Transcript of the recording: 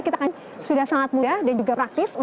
karena kita sudah sangat mudah dan juga praktis